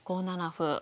５七歩。